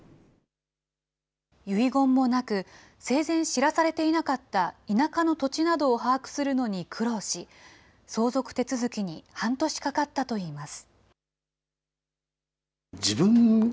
遺言もなく、生前知らされていなかった田舎の土地などを把握するのに苦労し、相続手続きに半年かかったといいます。